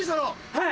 はい。